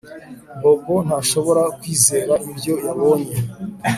Bobo ntashobora kwizera ibyo yabonye